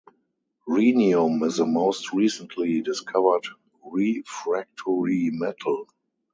Rhenium is the most recently discovered refractory metal.